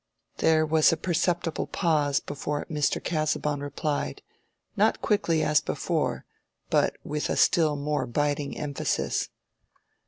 There was a perceptible pause before Mr. Casaubon replied, not quickly as before, but with a still more biting emphasis.